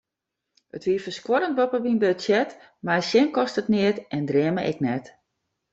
It is ferskuorrend boppe myn budzjet, mar sjen kostet neat en dreame ek net.